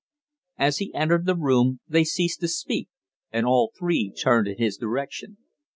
As he entered the room they ceased to speak, and all three turned in his direction.